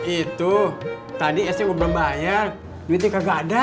itu tadi esnya gue belum bayar duitnya kagak ada